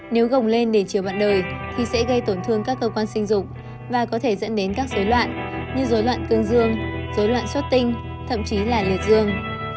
nếu gồng lên đỉnh chiều bạn đời thì sẽ gây tổn thương các cơ quan sinh dục và có thể dẫn đến các dối loạn như dối loạn tương dương dối loạn xuất tinh thậm chí là liệt dương